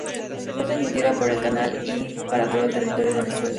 Fue transmitido por el Canal-i para todo el territorio de Venezuela.